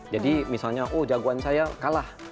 jadi misalnya jagoan saya kalah